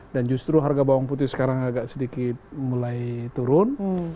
dan justru harga bawang putih sekarang agak sedikit mulai turun